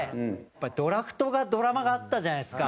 ドラフトがドラマがあったじゃないですか。